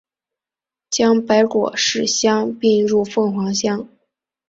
将白果市乡并入凤凰乡。